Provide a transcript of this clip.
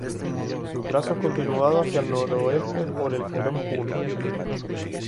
Su trazo es continuado hacia el noroeste por el jirón Puno.